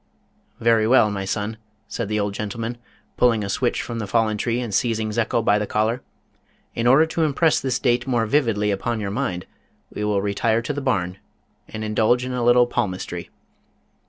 "Very well, my son," said the old gentleman, pulling a switch from the fallen tree, and seizing Zekel by the collar, "in order to impress this date more vividly upon your mind, we will retire to the barn and indulge in a little palmistry."